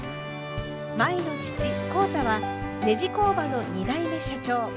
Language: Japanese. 舞の父浩太はネジ工場の２代目社長。